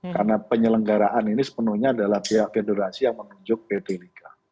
karena penyelenggaraan ini sepenuhnya adalah pihak federasi yang menunjuk pt liga